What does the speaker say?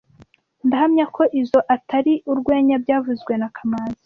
Ndahamya ko izoi atari urwenya byavuzwe na kamanzi